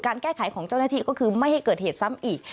แก้ไขของเจ้าหน้าที่ก็คือไม่ให้เกิดเหตุซ้ำอีก